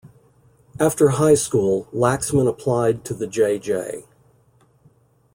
After high school, Laxman applied to the J. J.